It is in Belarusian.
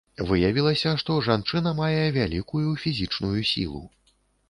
Выявілася, што жанчына мае вялікую фізічную сілу.